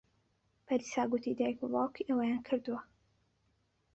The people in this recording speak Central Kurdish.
پەریسا گوتی دایک و باوکی ئەوەیان کردووە.